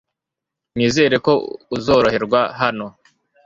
Nizere ko uzoroherwa hano .